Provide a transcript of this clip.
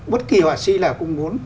bất kỳ họa sĩ nào cũng muốn